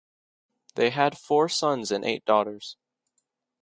They had four sons and eight daughters.